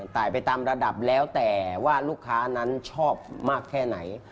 ตายไปตามระดับแล้วแต่ว่าลูกค้านั้นชอบมากแค่ไหน